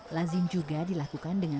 lazim juga dilakukan dengan